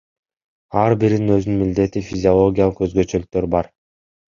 Ар биринин өзүнүн милдети, физиологиялык өзгөчөлүктөрү бар.